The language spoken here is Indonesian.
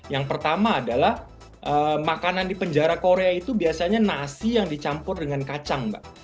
yang pertama adalah makanan di penjara korea itu biasanya nasi yang dicampur dengan kacang mbak